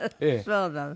そうなの。